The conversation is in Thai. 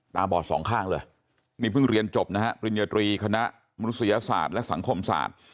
บอดสองข้างเลยนี่เพิ่งเรียนจบนะฮะปริญญาตรีคณะมนุษยศาสตร์และสังคมศาสตร์